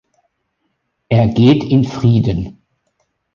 Er geht in Frieden.